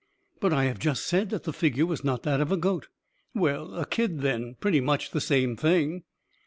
"But I have just said that the figure was not that of a goat." "Well, a kid, then pretty much the same thing."